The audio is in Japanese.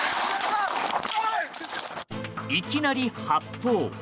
いきなり発砲。